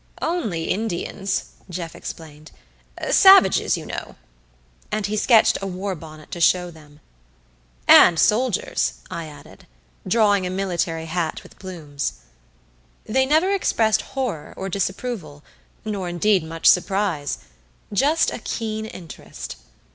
"Only Indians," Jeff explained. "Savages, you know." And he sketched a war bonnet to show them. "And soldiers," I added, drawing a military hat with plumes. They never expressed horror or disapproval, nor indeed much surprise just a keen interest.